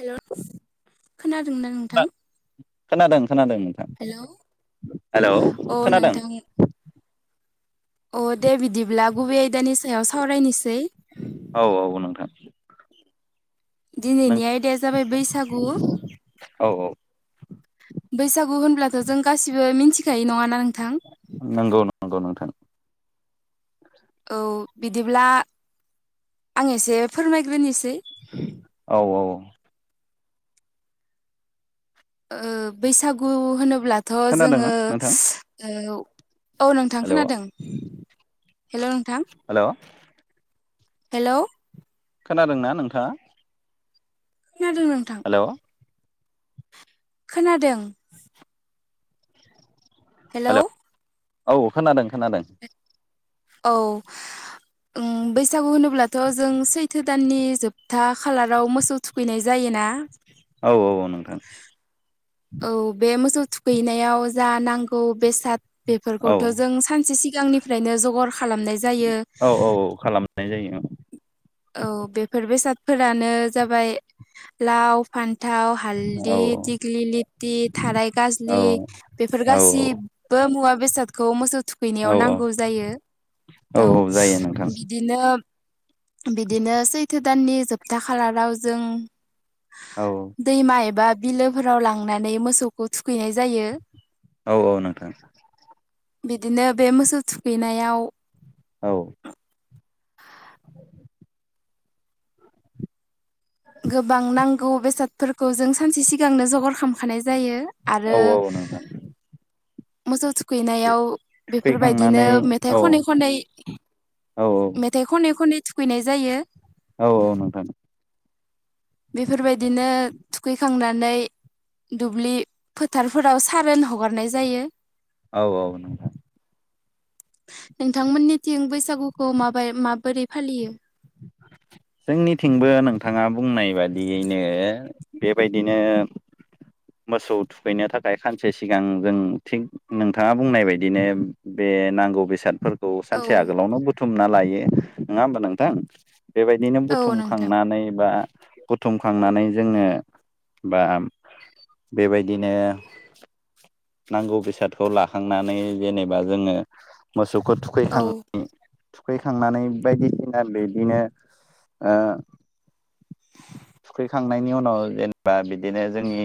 Hello खोनादोंना नोंथां? खोनादों खोनादों नोंथां अ हेलौ खोनादों। नोंथां अ दे बिदिब्ला गुबे आयदानि सायाव सावरायनोसै। औ औ नोंथां नों दिनैनि आयदाया जाबाय बैसागु। औ औ बैसागु होनब्लाथ' जों गासिबो मिथिखायो नङा नंगौ नंगौ नोंथां। औ बिदिब्ला आं एसे फोरमायग्रोनोसै। औ। ओ बैसागु होनोब्लाथ' जोङो खोनादोंना नोंथां ओ औ नों थां हेलौ खोनादों। Hello hello. हेलौ। खोनादोंना नोंथाङा? खोनादों नोंथां। हेलौ खोनादों। हेलौ। औ खोनादों खोनादों। औ ओं बैसागु होनोब्लाथ' जों सैथो दाननि जोब था खालाराव मोसौ थुखैनाय जायोना। औ औ औ नोंथां। औ बे मोसौ थुखैनायाव जा नांगौ बेसाद औ बेफोरखौथ' जों सानसे सिगांनिफ्रायनो जगार खालामनाय जायो। औ औ खालामनाय जायो ओं। औ बेफोर बेसादफोरानो जाबाय लाव फान फानथाव औ हालदि दिग्लि लिथि थार औ गाजलि बेफोर औ गासिबो मुवा बेसादखौ मोसौ औ थुखैनायाव नांगौ जायो औ बिदिनो बिदिनो सैथो दाननि जोबथा खालाराव जों औ दैमा एबा बिलोफोराव लांनानै मोसौखौ थुखैनाय जायो। औ औ नोंथां। बिदिनो बे मोसौ थुखैनायाव औ। गोबां नांगौ बेसादफोरखौ जों सानसे सिगांनो जगार खामखानाय जायो। आरो औ औ नोंथां मोसौ थुखैनायाव बेफोरबायदिनो थुखैखांनानै मेथाइ औ खनै खनै औ मेथाइ खनै खनै थुखैनाय जायो। औ औ नोंथां बेफोरबायदिनो थुखैखांना नै दुब्लि फोथारफोराव सारोन हगारनाय जायो। औ औ। नोंथांमोननिथिं बैसागुखौ माबाय माबोरै फालियो? [unintelligible] जोंनिथिंबो नोंथाङा बुंनाय बादियैनो बेबायदिनो मोसौ थुखैनो थाखाय खानसे सिगां जों थिग नोंथाङा बुंनाय बायदिनो बे बे नांगौ बेसादफोरखौ सानसे आगोलावनो बुथुमना लायो नङा होमबा नोंथां? बेबायदिनो औ नोंथां बुथुमखांनानै बा बुथुमखांनानै जोङो बा बेबायदिनो नांगौ बेसादखौ लाखांनानै जेनेबा जोङो मोस खौ औ थुखैखां थुखैखांनानै बायदिसिना दै बिदिनो ओ थुखैखांनायनि उनाव जेनेबा बिदिनो जोंनि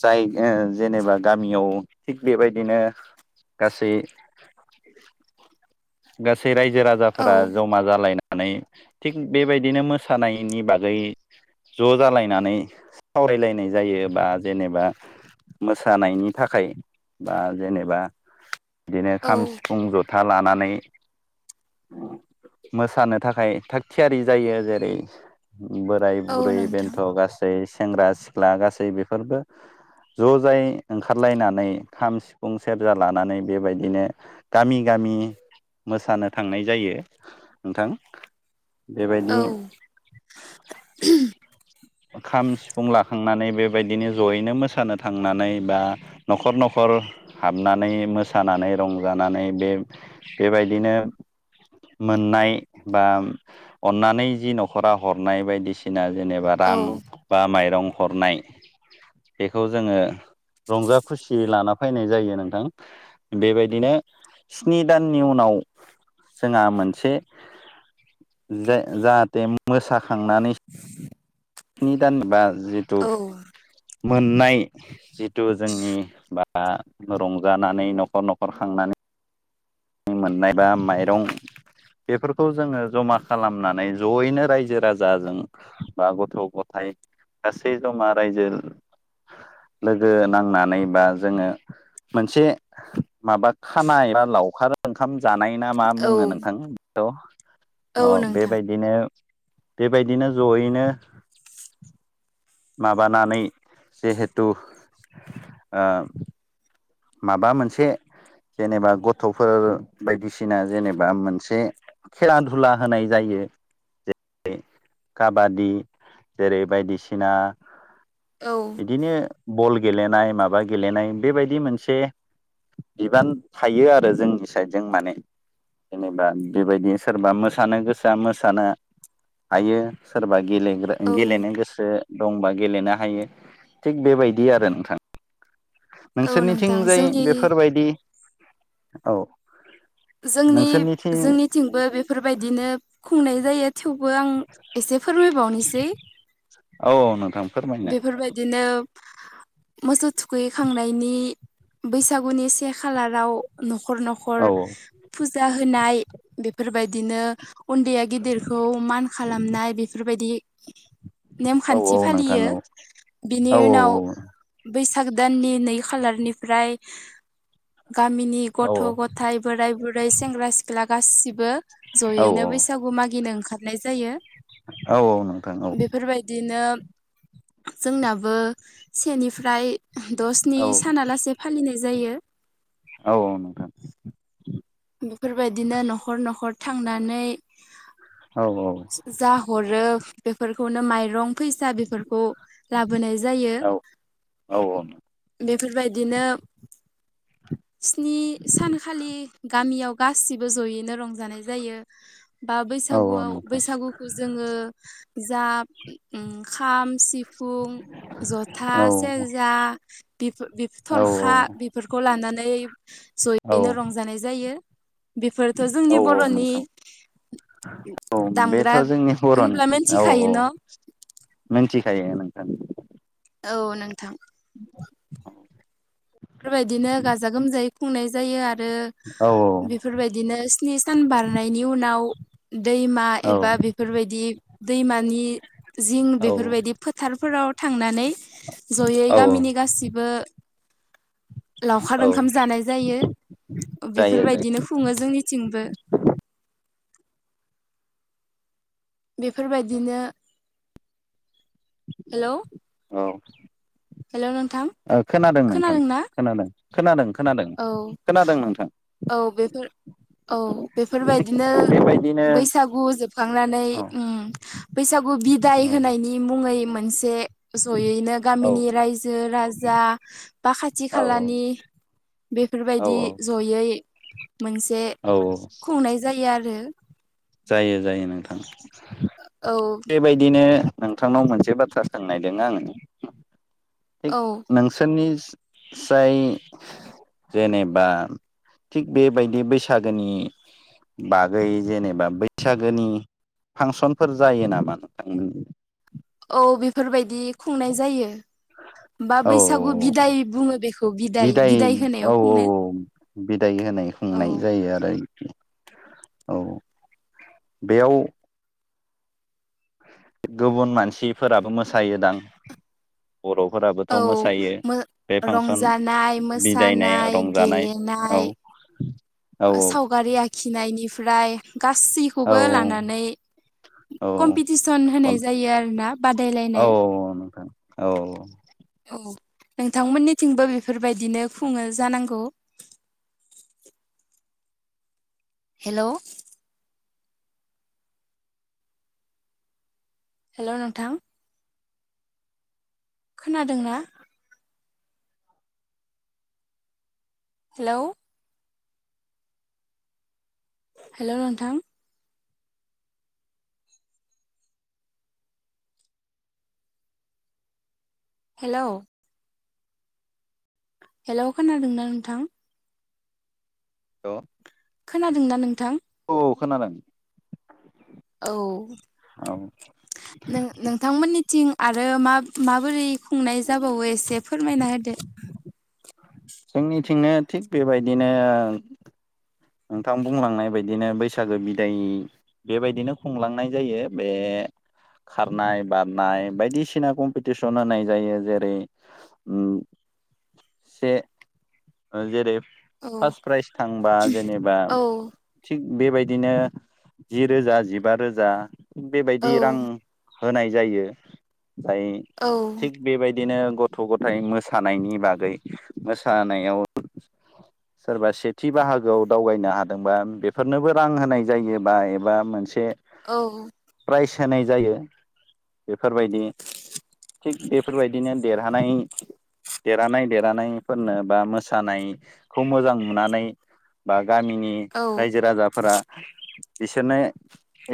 जाय ओ जेनेबा गामियाव थिग बेबायदिनो गासै गासै रायजो औ राजाफोरा जमा जालायनानै थिग बेबायदिनो मोसानायनि बागै ज' जालायनानै सावरायलायनाय जायो बा जेनेबा मोसानायनि थाखाय बा जेनेबा बिदिनो औ खाम, सिफुं, जथा लानानै मोसानो थाखाय थाग थियारि जायो। जेरै बोराय औ बुरै नोंथां बेन्थ' गासै सेंग्रा सिख्ला गासै बेफोरबो ज' जाय ओंखारलायनानै खाम, सिफुं, सेरजा लानानै बेबायदिनो गामि गा मि मोसानो थांनाय जायो। नोंथां बेबायदि औ खाम, सिफुं लाखांनानै बेबायदिनो ज'यैनो मोसानो थांनानै बा न'खर न'खर हाबनानै मोसानानै रंजानानै बे बेबायदिनो मोननाय बा अन्नानै जि न'खरा हरनाय बायदिसिना जेनेबा औ रां बा माइरं हरनाय बेखौ जोङो रंजा खुसि लाना फायनाय जायो नोंथां। बेबायदिनो स्नि दाननि उनाव जोंहा मोनसे जे जाहाथे मोसाखांनानै [unintelligible] निदान बा जिहेथु औ मोननाय जिथु जोंनि बा रंजानानै न'खर न'खर खांनानै मोननाय बा माइरं बेफोरखौ जोङो जमा खालामनानै ज'यैनो रायजो राजाजों बा गथ' गथाय गासै जमा रायजो लोगो नांनानै बा जोङो मोनसे माबा खाना एबा लावखार ओंखाम जानाय ना मा औ बुङो नोंथां बिखौ औ अ नोंथां बेबायदिनो बेबायदिनो ज'यैनो माबानानै जिहेथु ओ माबा मोनसे जेनेबा गथ'फोर बायदिसिना जेनेबा मोनसे खेला धुला होनाय जायो। जे रै काबादि जेरै बायदिसिना औ बिदिनो बल गेलेनाय माबा गेलेनाय बेबायदि मोनस से बिबान थायो आरो जोंनि साइदजों माने जेनेबा बेबायदि सोरबा मोसानो गोसोआ मोसानो हायो सोरबा गेलेग्रा औ गेलेनो गोसो दंबा गेलेनो हायो। थिग बेबायदि आरो नोंथां। औ नोंथां नोंसोरनिथिंजाय जोंनि बेफोरबायदि औ जोंनि नोंसोरनिथिं जोंनिथिंबो बेफोरबायदिनो खुंनाय जायो थेवबो आं एसे फोरमायबावनिसै। औ नोंथां। फोरमायनो बेफोरबायदिनो मोसौ थुखैखांनायनि बैसागुनि से खालाराव न' खर न'खर औ फुजा होनाय बेफोरबायदिनो उन्दैया गिदिरखौ मान खालामनाय बेफोरबायदि नेम औ औ खान्थि नोंथां फालियो। औ बिनि औ उनाव बैस- साग दाननि नै खालारनिफ्राय गामिनि औ गथ' गथाय बोराय बुरै सेंग्रा सिख्ला गाससिबो औ ज'यैनो बैसागु मागिनो ओंखारनाय जायो। औ नोंथां औ बेफोरबायदिनो जोंनाबो सेनिफ्राय द' स्नि औ सानालासे फालिनाय जायो। औ औ नोंथां बेफोरबायदिनो न'खर न'खर थांनानै औ नोंथां औ औ जा हरो बेफोरखौनो माइरं फैसा बेफोरखौ लाबोनाय जायो। बेफोरबायदिनो स्नि सानखालि गामियाव गासिबो जयैनो रंजानाय जायो। बा बैसागुआव बैसागुखौ जोङो जा उम खाम, सिफुं जथा, सेरजा बिफो- बिफ- थर्खा बेफोरखौ लानानै ज'यैनो रंजानाय जायो। बिफोरथ' जोंनि औ बर'नि नोंथां औ बेथ' दामग्रा जोंनि बर'नि होनब्ला औ मिथिखायो औ न' मिनथि खायो नोंथां। औ नोंथां। बेफोरबायदिनो गाजा गोमजायै खुंनाय जायो आ औ रो बेफोरबायदिनो स्नि सान बारनायनि उनाव दैमा औ एबा बेफोरबायदि दैमा नि जिं औ बेफोरबायदि फोथारफोराव थांनानै जयै औ गामिनि गासिबो लावखार औ ओंखाम जानाय जायो। जायो जायो बेफोरबायदिनो खुङो जोंनिथिंबो [inaudible] बेफोरबायदिनो [inaudible] हेलौ औ हेलौ नोंथां [inaudible] खोनादों नोंथां खोनादोंना खोनादों खोनादों। खोनादों औ खोनादों नों औ बेफोर, औ बेफोरबायदिनो बेबायदिनो बैसागु जोबखांनानै औ उम बैसागु बिदाय औ होनायनि मुङै मोनसे ज'यैनो गामिनि रायजो राजा बा खाथि औ खालानि बेफोरबायदि औ जयै मोनसे औ औ खुंनाय जायो आरो। जायो जायो नोंथां औ बेबायदिनो नोंथांनाव मोनसे बाथ्रा सोंनायदों आङो। थिक औ नोंसोरनि, जाय जेनेबा थिग बेबायदि बैसागोनि बागै जेनेबा बैसागोनि फांसनफोर जायो नामा नोंथांमोन? औ बेफोरबायदि खुंनाय जायो। बा औ बैसागु औ बिदाय बुङो बेखौ बिदाय बिदाय औ होनायाव औ खुंनो। [unintelligible] औ जायो आरो [inaudible] औ बेयाव गुबुन मानसिफोराबो मोसायो दां! बर'फोराबोथ' औ मोसायो मो बे फांसन रंजानाय बिदायनाय मोसानाय रंजानाय औ। गेलेनाय औ सावगारि आखिनायनिफ्राय औ गासैखौबो लानानै औ कम्पिटिसन होनाय जायो आरोना औ बादायलायनाय। नोंथां औ औ नोंथांमोननिथिंबो बेफोरबायदिनो खुङो जानांगौ। [inaudible] हेलौ हेलौ नोंथा। खोनादोंना? हेलौ हेलौ नोंथां हेलौ हेलौ खोनादोंना नोंथां? अ खोनादों ना नोंथां? औ खोनादों। औ औ नों नोंथांमोननिथिं आरो मा माबोरै खुंनाय जाबावो एसे फोरमायना होदो। जोंनिथिंनो थिग बेबायदिनो नोंथां बुंलांनाय बायदिनो बैसागो बिदाय बेबायदिनो खुंलांनाय जायो। बे खारनाय बारनाय बायदिसिना कम्पिटिसन होनाय जायो जेरै- उम से जेरै फार्स्ट औ प्राइज थांबा जेनेबा औ थिग बेबायदिनो जि रोजा जिबा रोजा बेबायदि रां औ होनाय जायो जाय थिक बेबायदि बिदिनो गथ' गथायाइ मोसानायनि बागै मोसानायाव सोरबा सेथि बाहागोआव। दावगायनो हादोंबा बेफोरनोबो रां होनाय जायोबा एबा मोनसे औ प्राइज होनाय जायो बेफोरबायदि। थिग बेफोरबायदिनो देरहानाय देरहानाय देरहानायफोरनो बा मोसानायखौ मोजां नुनानै बा गामिनि औ रायजो राजाफोरा। बिसोरनो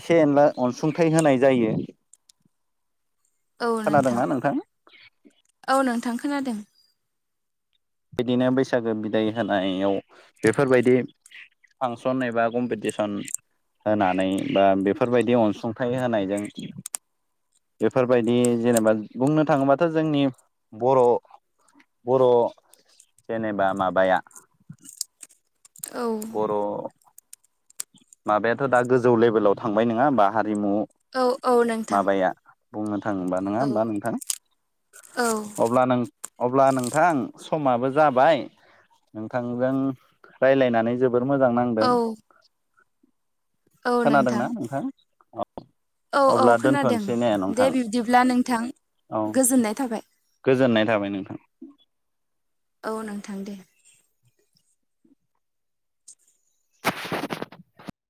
एसे एनला अनसुंथाइ होनाय जायो। औ खोनादोंना नोंथां? थां ओं खोनादों। बिदिनो बैसागो बिदाय होनायाव बेफोरबायदि फांसन एबा कम्पिटिसन होनानै बा बेफोरबायदि अनसुंथाइ होनायजों बेफोरबायदि जेनेबा बुंनो थाङोबाथ' जोंनि बर' बर' जेनेबा माबाया औ बर' माबायाथ' दा गोजौ लेभेलाव थांबाय नङा होमबा। रिमु औ औ नोंथां माबाया बुंनो थाङोबा नङा औ होमबा नोंथां। औ अब्ला नों अब्ला नोंथां समाबो जाबाय नोंथांजों रायलायनानै जोब जोबोर मोजां नांदों। औ खोनादोंना नोंथां औ। औ औ अब्ला खोनादों दोनथ'नोसै ने दे नोंथां बिब्दिब्ला नोंथां औ गो गोजोननाय थाबाय गोजोननाय थाबाय नोंथां। औ नोंथां दे।